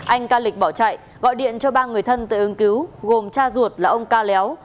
anh ca lịch bỏ chạy gọi điện cho ba người thân tới ứng cứu gồm cha ruột là ông ca léo